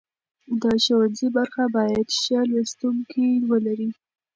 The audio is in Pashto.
د ښوونځي برخه باید ښه لوستونکي ولري.